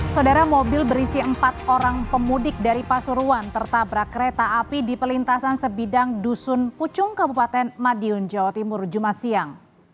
saudara mobil berisi empat orang pemudik dari pasuruan tertabrak kereta api di pelintasan sebidang dusun pucung kabupaten madiun jawa timur jumat siang